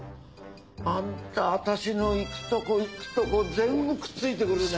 アンタ私の行くとこ行くとこ全部くっついてくるね。